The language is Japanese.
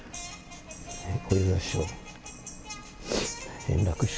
小遊三師匠。